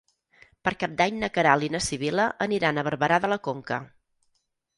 Per Cap d'Any na Queralt i na Sibil·la aniran a Barberà de la Conca.